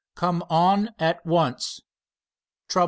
Come on at once. Trouble."